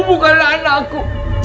kamu bukanlah anakku